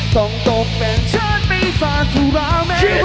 ต้องตกเป็นชาติปีศาจสุราไม่ร้าย